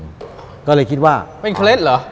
ทำให้เรายังคิดว่าเป็นเคล็ดเหรอ